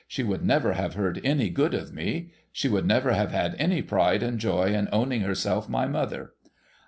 * She would never have heard any good of me. She would never have had any jjride and joy in owning herself my mother.